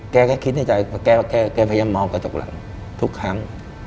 แก้แก้คิดในใจแก้แก้แก้แก้พยายามมองกระจกหลังทุกครั้ง